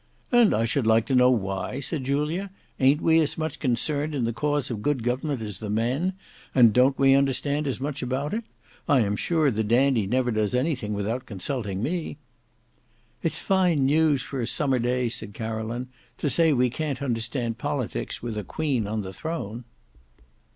"And I should like to know why?" said Julia. "Ayn't we as much concerned in the cause of good government as the men? And don't we understand as much about it? I am sure the Dandy never does anything without consulting me." "It's fine news for a summer day," said Caroline, "to say we can't understand politics with a Queen on the throne."